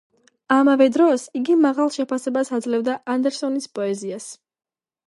ამავე დროს, იგი მაღალ შეფასებას აძლევდა ანდერსონის პოეზიას.